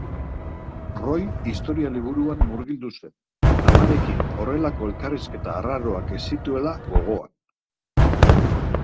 Roy historia liburuan murgildu zen, amarekin horrelako elkarrizketa arraroak ez zituela gogoan.